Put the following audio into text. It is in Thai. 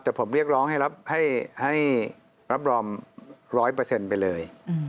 แต่ผมเรียกร้องให้รับรอง๑๐๐ไปเลย